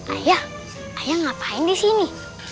ayah ayah ngapain di sini